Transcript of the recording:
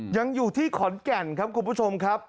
ยังอยู่ที่ขอนแก่นครับคุณผู้ชมครับ